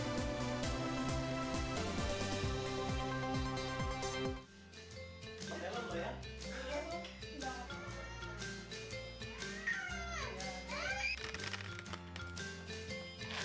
kepala kepala kepala